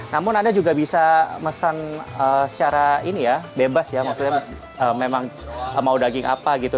namun anda juga bisa mesan secara ini ya bebas ya maksudnya memang mau daging apa gitu